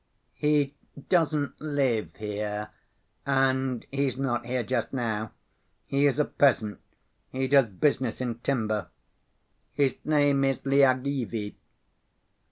"He doesn't live here, and he's not here just now. He is a peasant, he does business in timber. His name is Lyagavy.